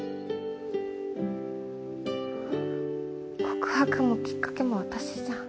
告白もきっかけもあたしじゃん。